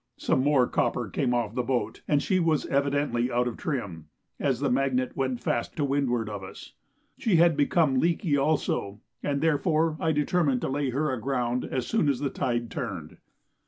Some more copper came off the boat, and she was evidently out of trim, as the Magnet went fast to windward of us. She had become leaky also, and therefore I determined to lay her aground as soon as the tide turned.